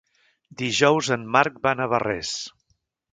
Dijous en Marc va a Navarrés.